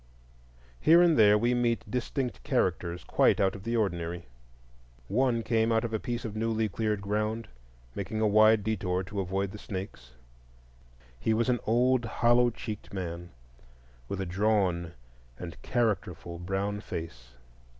Here and there we meet distinct characters quite out of the ordinary. One came out of a piece of newly cleared ground, making a wide detour to avoid the snakes. He was an old, hollow cheeked man, with a drawn and characterful brown face.